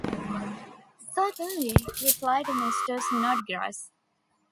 ‘Certainly,’ replied Mr. Snodgrass.